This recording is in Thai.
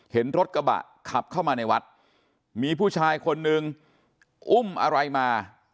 เห็นรถกระบะขับเข้ามาในวัดมีผู้ชายคนนึงอุ้มอะไรมา